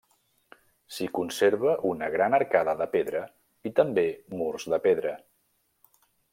S'hi conserva una gran arcada de pedra i també murs de pedra.